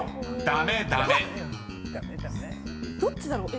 どっちだろう？